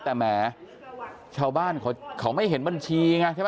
แต่แหมชาวบ้านเขาไม่เห็นบัญชีไงใช่ไหม